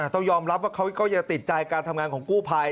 ต้องยอมรับว่าเขาก็ยังติดใจการทำงานของกู้ภัย